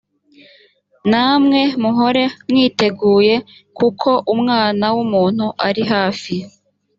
namwe muhore mwiteguye kuko umwana w’umuntu ari hafi